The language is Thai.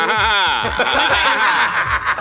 ไม่ใช่นะครับ